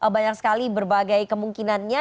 banyak sekali berbagai kemungkinannya